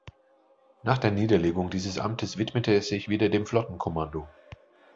Nach der Niederlegung dieses Amtes widmete er sich wieder dem Flottenkommando.